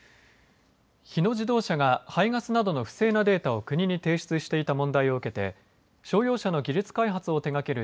日野自動車が排ガスなどの不正なデータを国に提出していた問題を受けて商用車の技術開発を手がける